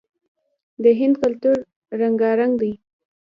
د هند کلتور رنګارنګ دی.